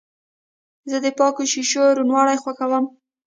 زه د پاکو شیشو روڼوالی خوښوم.